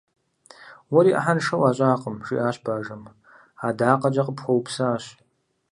Уэри ӏыхьэншэ уащӏакъым, - жиӏащ бажэм. - Адакъэкӏэ къыпхуэупсащ.